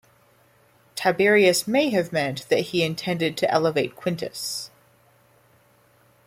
Tiberius may have meant that he intended to elevate Quintus.